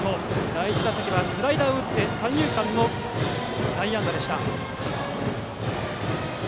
第１打席はスライダーを打って三遊間への内野安打。